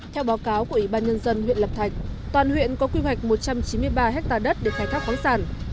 theo báo cáo của ủy ban nhân dân huyện lập thạch toàn huyện có quy hoạch một trăm chín mươi ba hectare đất để khai thác khoáng sản